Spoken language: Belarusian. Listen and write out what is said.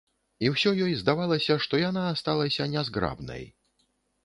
І ўсё ёй здавалася, што яна асталася нязграбнай.